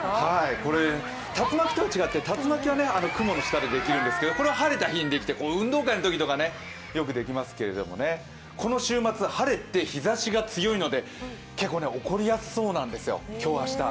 竜巻とは違って、竜巻は雲の下でできるんですけど、これは晴れた日にできて運動会のときなんかによくできますけどこの週末、晴れて日ざしが強いので結構起こりやすそうなんですよ、今日、明日。